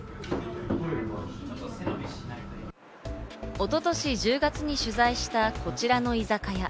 一昨年１０月に取材したこちらの居酒屋。